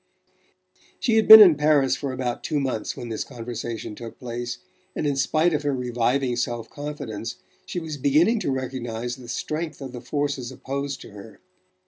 She had been in Paris for about two months when this conversation took place, and in spite of her reviving self confidence she was beginning to recognize the strength of the forces opposed to her.